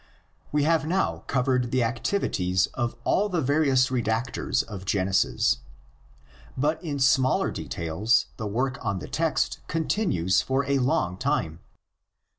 We have now covered the activities of all the various redactors of Genesis. But in smaller details the work on the text (Diaskeuase) continues for a long time.